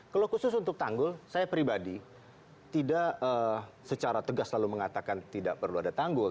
kalau khusus untuk tanggul saya pribadi tidak secara tegas selalu mengatakan tidak perlu ada tanggul